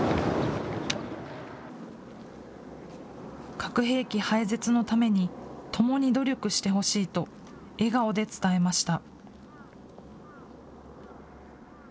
核兵器廃絶のために、ともに努力してほしいと、笑顔で伝えました。